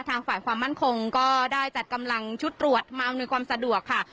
ทางฝ่ายความมั่นคงก็ได้จัดกำลังชุดตรวจมาอำนวยความสะดวกค่ะ